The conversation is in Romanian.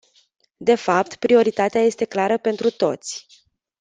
De fapt, prioritatea este clară pentru toți.